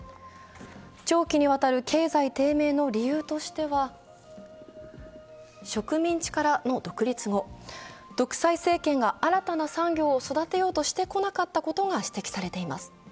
長期にわたる経済低迷の理由としては、植民地からの独立後、独裁政権が新たな産業を育てようとしてこなかったことが指摘されています。